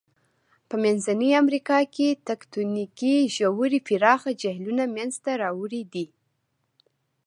په منځنۍ امریکا کې تکتونیکي ژورې پراخه جهیلونه منځته راوړي دي.